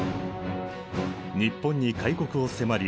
日本に開国を迫り